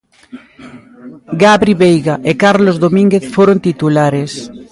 Gabri Veiga e Carlos Domínguez foron titulares.